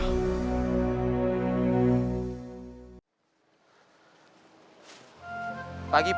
aku mau pergi